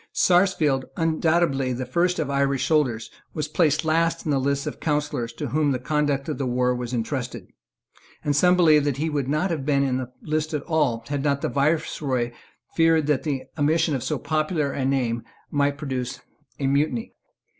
Sarsfield, undoubtedly the first of Irish soldiers, was placed last in the list of the councillors to whom the conduct of the war was entrusted; and some believed that he would not have been in the list at all, had not the Viceroy feared that the omission of so popular a name might produce a mutiny.